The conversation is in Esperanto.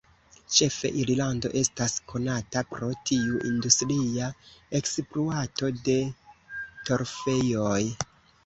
Ĉefe Irlando estas konata pro tiu industria ekspluato de torfejoj.